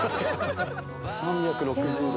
３６０度。